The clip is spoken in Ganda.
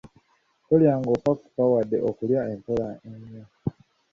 Tolya ng’opakuka wadde okulya empola ennyo.